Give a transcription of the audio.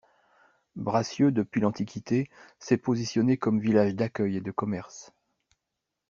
Bracieux depuis l'Antiquité s'est positionné comme village d'accueil et de commerce.